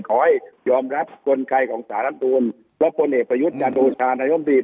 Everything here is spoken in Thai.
ขอให้ยอมรับคนไขของสารรับตูนรบปนเอกประยุทธ์จัตรูชาญนายมดีท